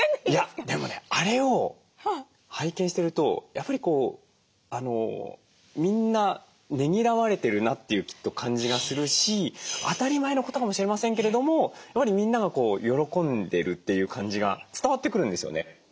いやでもねあれを拝見してるとやっぱりこうみんなねぎらわれてるなっていうきっと感じがするし当たり前のことかもしれませんけれどもやはりみんなが喜んでるっていう感じが伝わってくるんですよね。